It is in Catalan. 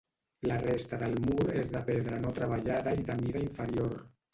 La resta del mur és de pedra no treballada i de mida inferior.